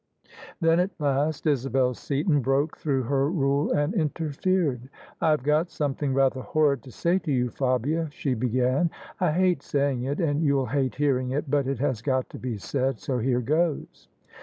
Then, at last, Isabel Seaton broke through her rule and interfered. " I've got something rather horrid to say to you, Fabia," she began ;" I hate saying it and you'll hate hearing it, but it has got to be said, so here goes."